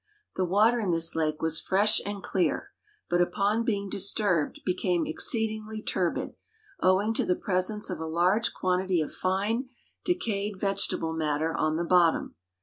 The water in this lake was fresh and clear, but upon being disturbed became exceedingly turbid, owing to the presence of a large quantity of fine, decayed vegetable matter on the bottom.